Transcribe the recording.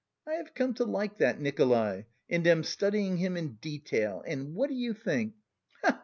I have come to like that Nikolay and am studying him in detail. And what do you think?